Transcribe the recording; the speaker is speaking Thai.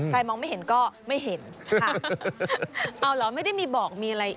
มองไม่เห็นก็ไม่เห็นค่ะเอาเหรอไม่ได้มีบอกมีอะไร